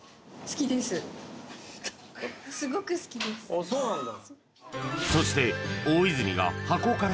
ああそうなんだ